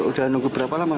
sudah nunggu berapa lama